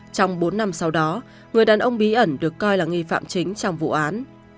trong bốn năm sau đó người đàn ông bí ẩn được coi là nghi phạm chính trong vụ án